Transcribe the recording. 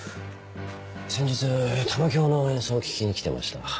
先日玉響の演奏を聴きにきてました。